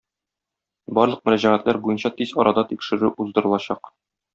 Барлык мөрәҗәгатьләр буенча тиз арада тикшерү уздырылачак.